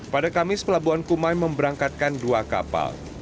pada kamis pelabuhan kumai memberangkatkan dua kapal